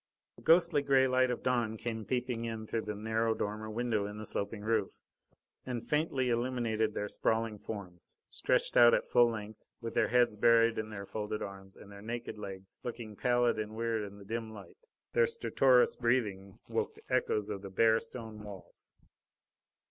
The ghostly grey light of dawn came peeping in through the narrow dormer window in the sloping roof, and faintly illumined their sprawling forms, stretched out at full length, with their heads buried in their folded arms and their naked legs looking pallid and weird in the dim light. Their stertorous breathing woke the echoes of the bare, stone walls.